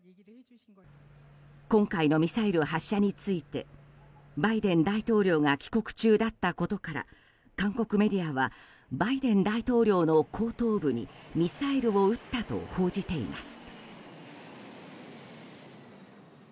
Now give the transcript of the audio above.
今回のミサイル発射についてバイデン大統領が帰国中だったことから韓国メディアはバイデン大統領の後頭部にミサイルを撃ったと報じています。